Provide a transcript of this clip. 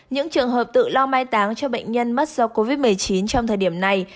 những trường hợp tự lo mai táng cho bệnh nhân mất do covid một mươi chín trong thời điểm này